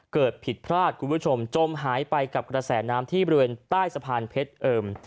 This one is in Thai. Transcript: ผิดพลาดคุณผู้ชมจมหายไปกับกระแสน้ำที่บริเวณใต้สะพานเพชรเอิม